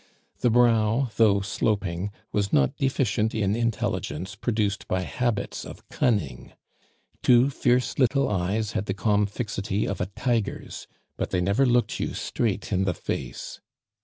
The brow, though sloping, was not deficient in intelligence produced by habits of cunning. Two fierce little eyes had the calm fixity of a tiger's, but they never looked you straight in the face.